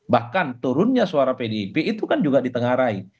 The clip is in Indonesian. bahkan turunnya suara pdip itu kan juga ditengarai